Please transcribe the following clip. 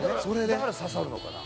だから刺さるのかな。